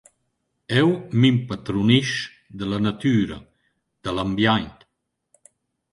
Eu m’impatrunisch da la natüra, da l’ambiaint.